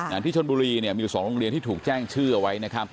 อย่างที่ชนบุรีมี๒โรงเรียนที่ถูกแจ้งชื่อเอาไว้